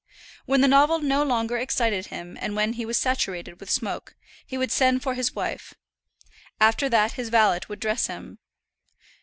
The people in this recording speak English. When the novel no longer excited him and when he was saturated with smoke, he would send for his wife. After that, his valet would dress him.